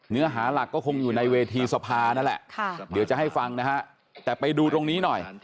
เนื้อหาหลักก็คงอยู่ในเวทีสภานั่นแหละเดี๋ยวจะให้ฟังนะฮะแต่ไปดูตรงนี้หน่อย